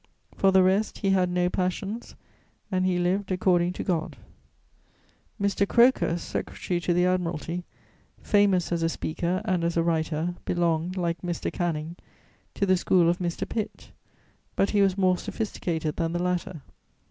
For the rest, he had no passions and he lived according to God. Mr. Croker, Secretary to the Admiralty, famous as a speaker and as a writer, belonged, like Mr. Canning, to the school of Mr. Pitt; but he was more sophisticated than the latter.